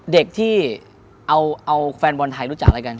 เด็กที่เอาแฟนบอลไทยรู้จักอะไรกัน